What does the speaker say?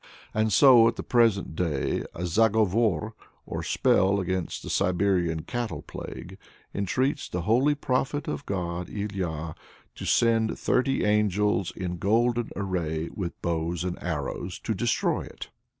And so, at the present day, a zagovor or spell against the Siberian cattle plague entreats the "Holy Prophet of God Ilya," to send "thirty angels in golden array, with bows and with arrows" to destroy it.